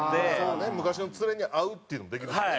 昔の連れに会うっていうのもできるしね。